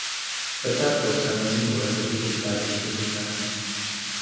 بەداخەوە تەنزیم و ڕێکوپێکی لە دابەشکردندا نەبوو